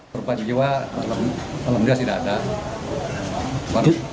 perubahan jiwa dalam jelas tidak ada